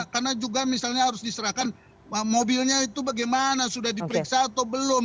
karena juga misalnya harus diserahkan mobilnya itu bagaimana sudah diperiksa atau belum